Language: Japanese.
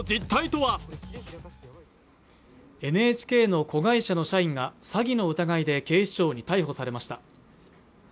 ＮＨＫの子会社の社員が詐欺の疑いで警視庁に逮捕されました